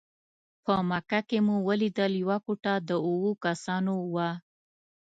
په مکه کې مو ولیدل یوه کوټه د اوو کسانو وه.